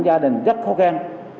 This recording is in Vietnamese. gia đình rất khó khăn